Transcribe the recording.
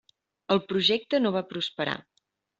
El projecte no va prosperar.